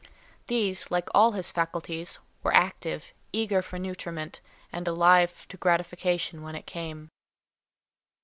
These, like all his faculties, were active, eager for nutriment, and alive to gratification when it came.